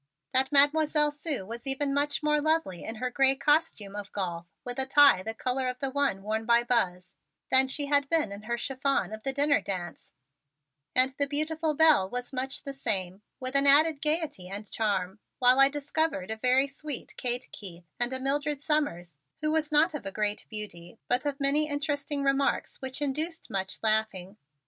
That Mademoiselle Sue was even much more lovely in her gray costume of golf with a tie the color of the one worn by my Buzz, than she had been in her chiffon of the dinner dance, and the beautiful Belle was much the same, with an added gayety and charm, while I discovered a very sweet Kate Keith and a Mildred Summers who was not of a great beauty but of many interesting remarks which induced much laughing.